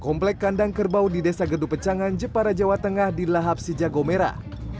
komplek kandang kerbau di desa gerdupencangan jepara jawa tengah di lahap sijago merah